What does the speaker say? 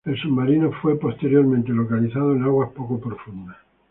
El submarino fue posteriormente localizado en aguas poco profundas.